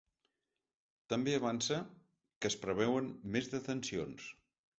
També avança que es preveuen més detencions.